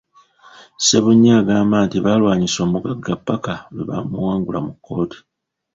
Ssebunya agamba nti baalwanyisa omugagga ppaka lwe baamuwangula mu kkooti.